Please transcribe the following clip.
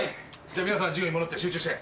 じゃあ皆さん授業に戻って集中して。